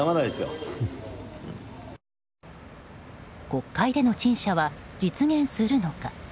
国会での陳謝は実現するのか。